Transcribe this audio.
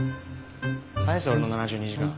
返せ俺の７２時間。